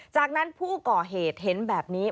จากนั้นผู้ก่อเหตุเห็นแบบนี้